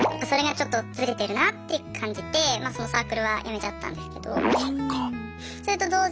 それがちょっとズレてるなって感じてそのサークルはやめちゃったんですけど。